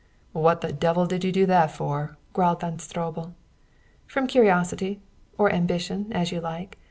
"What the devil did you do that for?" growled Von Stroebel. "From curiosity, or ambition, as you like.